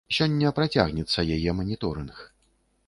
Сёння працягнецца яе маніторынг.